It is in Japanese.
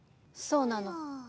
そうなの。